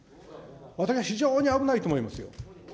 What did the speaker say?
私は非常に危ないと思いますよ。